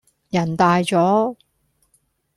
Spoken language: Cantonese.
人大咗